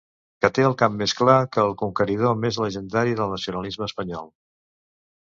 Que té el cap més clar que el conqueridor més llegendari del nacionalisme espanyol.